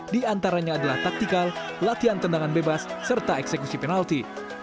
di antaranya adalah taktikal latihan tendangan bebas serta eksekusi penalti